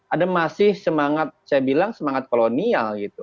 ada masih semangat saya bilang semangat kolonial gitu